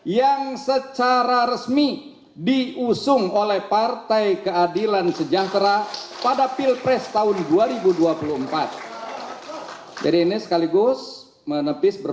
yang secara resmi diusung oleh partai keadilan sejahtera pada pilpres tahun dua ribu dua puluh empat